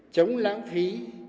chống lãng phí